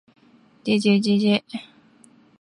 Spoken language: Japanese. ｗ じぇじぇじぇじぇ ｗ